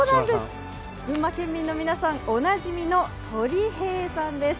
群馬県民の皆さん、おなじみの登利平さんです。